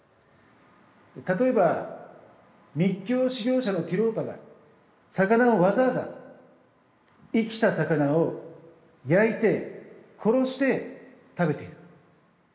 例えば密教修行者のティローパが魚をわざわざ生きた魚を焼いて殺して食べている。